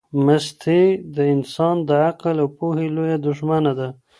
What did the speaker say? مستی د انسان د عقل او پوهي لویه دښمنه ده.